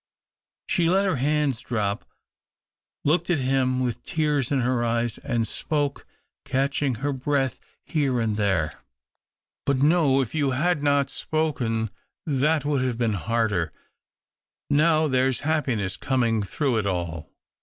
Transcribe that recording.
She let her hands drop, looked at him with tears in her eyes, and spoke, catching her breath here and there — THE OCTAVE OF CLAUDIUS. 263 "But no— if you had not spoken — that would have been harder. Now there's happi ness coming through it all."